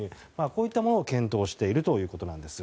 こういったものを検討しているということです。